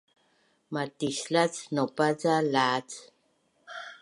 Matislac naupa ca lac?